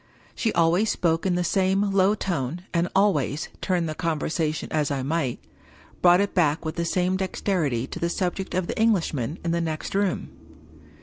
She always spoke in the same low tone, and always, turn the conversation as I might, brought, it back with the same dexterity to the subject of the Englishman in the next room.